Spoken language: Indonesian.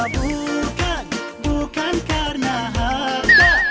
bukan bukan karena harta